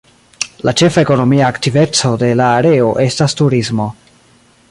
La ĉefa ekonomia aktiveco de la areo estas turismo.